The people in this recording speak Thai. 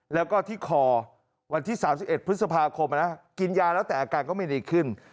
แล้วก็ที่คอวันที่๓๑พฤษภาคมกินยาแล้วแต่อาการก็ไม่ดีขึ้น